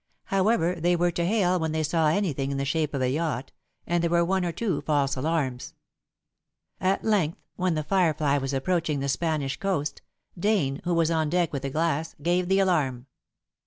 However, they were to hail when they saw anything in the shape of a yacht, and there were one or two false alarms. At length, when The Firefly was approaching the Spanish coast, Dane, who was on deck with a glass, gave the alarm.